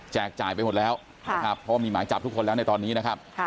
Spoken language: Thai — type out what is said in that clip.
จ่ายไปหมดแล้วนะครับเพราะว่ามีหมายจับทุกคนแล้วในตอนนี้นะครับ